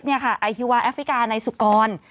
นี่ค่ะไอฮิวาแอฟริกาในสุกร